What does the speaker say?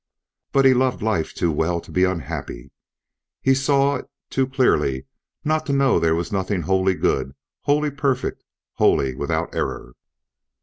But he loved life too well to be unhappy; he saw it too clearly not to know there was nothing wholly good, wholly perfect, wholly without error.